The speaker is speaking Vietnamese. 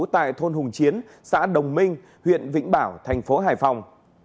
tại thôn hùng chiến xã đồng minh huyện vĩnh bảo thành phố hải phòng